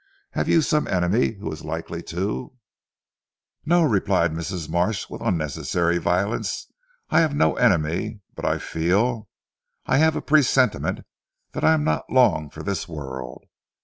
Have you some enemy who is likely to " "No!" replied Mrs. Marsh with unnecessary violence, "I have no enemy. But I feel I have a presentiment that I am not long for this world.